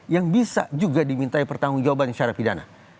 yang bisa juga dimintai pertanggung jawaban secara pidana